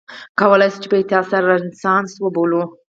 کولای شو په احتیاط سره یې رنسانس وبولو.